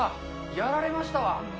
やられましたわ。